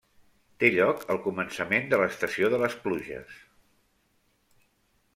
Té lloc al començament de l'estació de les pluges.